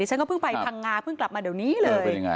ฉันก็เพิ่งไปพังงาเพิ่งกลับมาเดี๋ยวนี้เลย